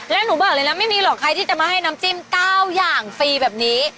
แล้วหนูบอกเลยนะไม่มีหรอกใครที่จะมาให้น้ำจิ้ม๙อย่างฟรีแบบนี้